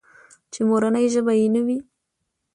چې مورنۍ ژبه يې نه وي.